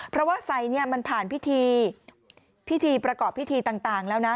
เพราะว่าไซด์มันผ่านพิธีประกอบพิธีต่างแล้วนะ